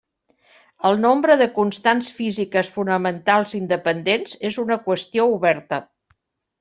El nombre de constants físiques fonamentals independents és una qüestió oberta.